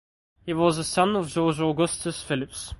He was the son of George Augustus Phillips.